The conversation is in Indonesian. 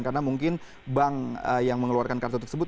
karena mungkin bank yang mengeluarkan kartu tersebut